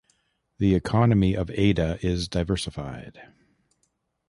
The economy of Ada is diversified.